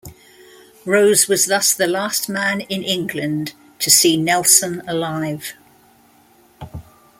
Rose was thus the last man in England to see Nelson alive.